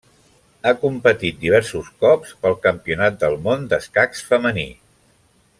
Ha competit diversos cops pel Campionat del món d'escacs femení.